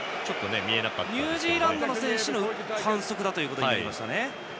ニュージーランドの選手の反則ということになりました。